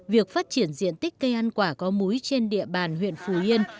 việc phát triển diện tích cây ăn quả có múi trên địa bàn huyện phù yên